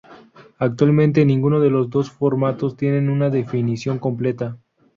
Actualmente ninguno de los dos formatos tiene una definición completa.